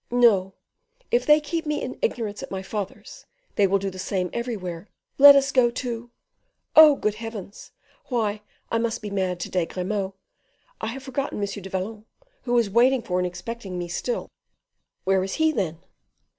"No; if they keep me in ignorance at my father's, they will do the same everywhere. Let us go to Oh, good heavens! why, I must be mad to day, Grimaud; I have forgotten M. du Vallon, who is waiting for and expecting me still." "Where is he, then?"